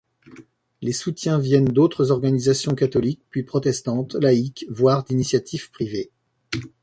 Les soutiens viennent d'autres organisations catholiques, puis protestantes, laïques, voire d'initiatives privées.